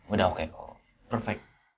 udah oke kok perfect